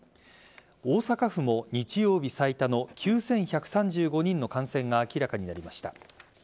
大阪府も日曜日最多の９１３５人の感染が明らかになりました。